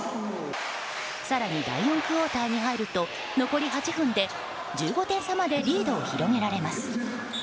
更に第４クオーターに入ると残り８分で１５点差までリードを広げられます。